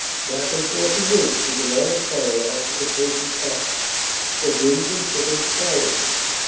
Back and forth he went through the long furrow after the patient ox, the hens and chickens following.